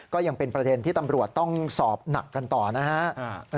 ก็ยังเป็นประเด็นที่ตำรวจต้องสอบหนักกันต่อนะฮะ